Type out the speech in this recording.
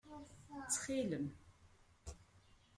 Ttxil-m!